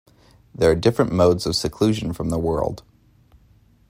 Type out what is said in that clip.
There are different modes of seclusion from the world.